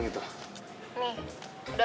nih udah kena